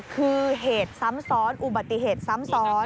คือเหตุซ้ำซ้อนอุบัติเหตุซ้ำซ้อน